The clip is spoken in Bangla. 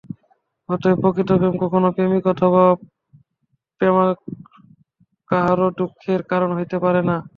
অতএব প্রকৃত প্রেম কখনও প্রেমিক অথবা প্রেমাস্পদ কাহারও দুঃখের কারণ হইতে পারে না।